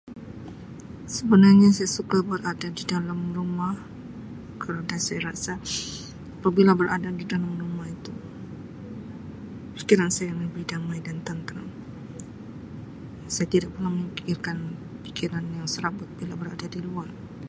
Sebenarnya saya suka berada di dalam rumah kerna saya rasa apabila berada di dalam rumah itu fikiran saya lebih damai dan tenteram, saya tidak pernah memikirkan pikiran yang serabut bila berada di luar.